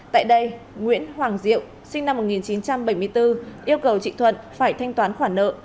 tại đây nguyễn hoàng diệu sinh năm một nghìn chín trăm bảy mươi bốn yêu cầu chị thuận phải thanh toán khoản nợ